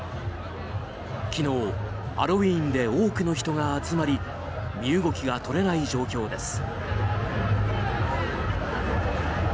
昨日、ハロウィーンで多くの人が集まり身動きが取れない状況です。